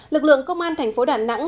lực lượng công an thành phố đà nẵng